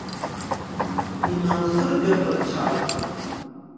Инаухыргап рчалт.